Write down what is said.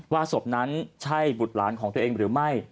ศพนั้นใช่บุตรหลานของตัวเองหรือไม่